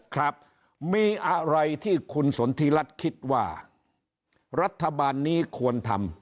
ครับมีอะไรที่คุณสนทิรัฐคิดว่ารัฐบาลนี้ควรทำ